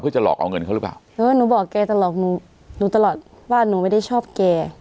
จะหลอกเอาเงินเขาหรือเปล่าเออหนูบอกแกตลอดหนูหนูตลอดว่าหนูไม่ได้ชอบแก